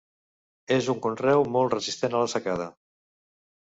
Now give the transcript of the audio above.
És un conreu molt resistent a la secada.